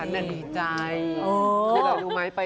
ดีใจ